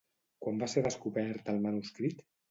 Quan va ser descobert el manuscrit?